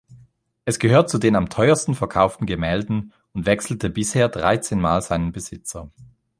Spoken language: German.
Es gehört zu den am teuersten verkauften Gemälden und wechselte bisher dreizehnmal seinen Besitzer.